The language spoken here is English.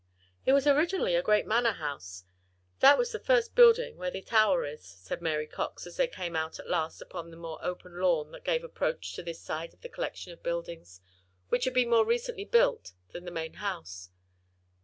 "It was originally a great manor house. That was the first building where the tower is," said Mary Cox, as they came out at last upon the more open lawn that gave approach to this side of the collection of buildings, which had been more recently built than the main house.